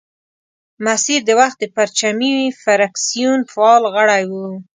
مسیر د وخت د پرچمي فرکسیون فعال غړی وو.